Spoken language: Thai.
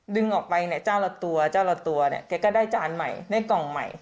ดึงออกไปเนี่ยเจ้าละตัวเจ้าละตัวเนี่ยแกก็ได้จานใหม่ได้กล่องใหม่